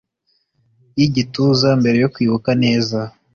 y'igituza mbere yo kwibuka neza